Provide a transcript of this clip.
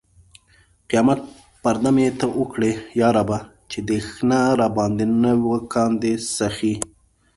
قیامت پرده مې ته اوکړې یا ربه! چې دښنه راباندې نه و کاندي سخې